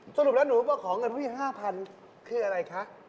สรุปแล้วหนูมาขอเงินพี่๕๐๐คืออะไรคะ